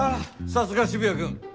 さすが渋谷くん。